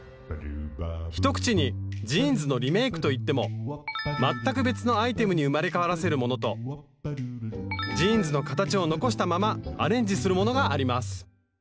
一口にジーンズのリメイクと言っても全く別のアイテムに生まれ変わらせるものとジーンズの形を残したままアレンジするものがあります